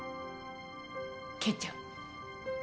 健ちゃん。